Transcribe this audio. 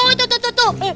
oh itu itu itu